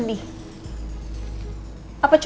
tidak ada diri